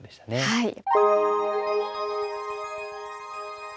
はい。